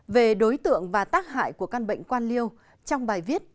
về đối tượng và tác hại của căn bệnh quan liêu trong bài viết